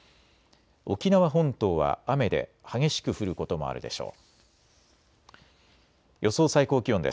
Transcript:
沖縄本島は雨で激しく降ることもあるでしょう。